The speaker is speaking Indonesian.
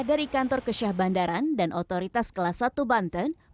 dari kantor kesyah bandaran dan otoritas kelas satu banten